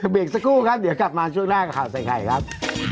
เบรกสักครู่ครับเดี๋ยวกลับมาช่วงหน้ากับข่าวใส่ไข่ครับ